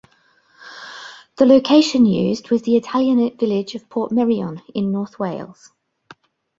The location used was the Italianate village of Portmeirion in North Wales.